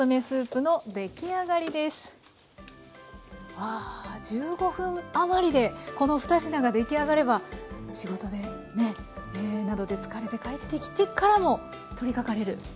わあ１５分余りでこの２品が出来上がれば仕事でねなどで疲れて帰ってきてからも取りかかれる。